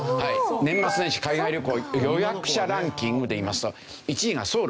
年末年始海外旅行予約者ランキングでいいますと１位がソウル。